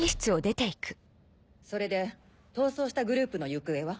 それで逃走したグループの行方は？